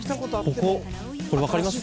こここれ分かります？